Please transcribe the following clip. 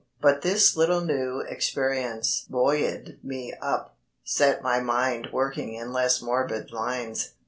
But this little new experience buoyed me up, set my mind working in less morbid lines.